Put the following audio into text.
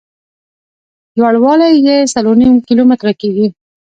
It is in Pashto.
لوړ والی یې څلور نیم کیلومتره کېږي.